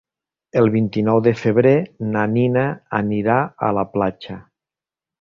El vint-i-nou de febrer na Nina anirà a la platja.